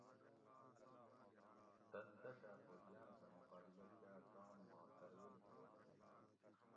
تن دشاۤ فوجیان سہ مقابلہ کاۤ تام ما ترویل چھور کیر